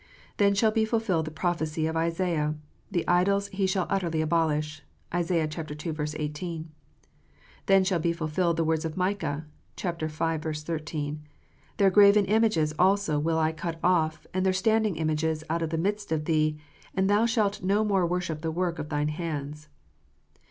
Then shall be fulfilled the prophecy of Isaiah, " The idols He shall utterly abolish." (Isa. ii. 18.) Then shall be fulfilled the words of Micah (v. 13) :" Their graven images also will I cut off, and their standing images out of the midst of thee, and thou shalt no more worship the work of thine hands."